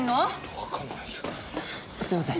分かんないよすいません